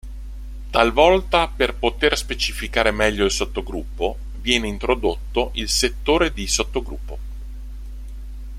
Talvolta, per poter specificare meglio il sottogruppo, viene introdotto il settore di sottogruppo.